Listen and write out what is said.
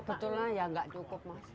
sebetulnya ya nggak cukup mas